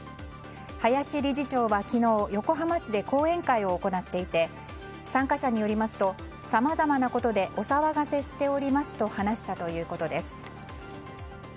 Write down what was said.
林理事長は昨日横浜市で講演会を行っていて参加者によりますとさまざまなことでお騒がせしておりますと話したということです。